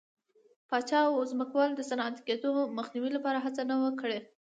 پاچا او ځمکوالو د صنعتي کېدو مخنیوي لپاره هڅه نه وه کړې.